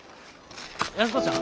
安子ちゃん？